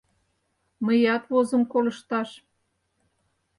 Мыят возым колышташ...